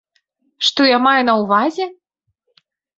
Што я маю на ўвазе?